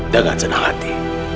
dengar senang hati